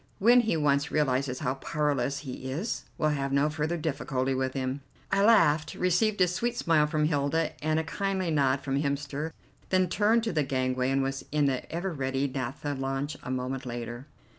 When he once realizes how powerless he is, we'll have no further difficulty with him." I laughed, received a sweet smile from Hilda and a kindly nod from Hemster, then turned to the gangway and was in the ever ready naptha launch a moment later.